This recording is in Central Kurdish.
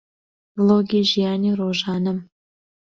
ڤڵۆگی ژیانی ڕۆژانەم